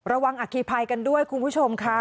อัคคีภัยกันด้วยคุณผู้ชมค่ะ